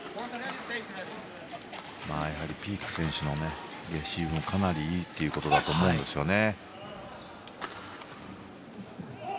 やはりピーク選手のレシーブがかなりいいということだと思うんですよね。